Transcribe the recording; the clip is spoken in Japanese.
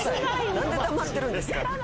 何で黙ってるんですか。